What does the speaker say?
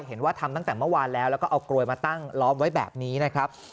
เห็นว่าทำตั้งแต่เมื่อวานแล้วแล้วก็เอากลวยมาตั้งล้อมไว้แบบนี้นะครับ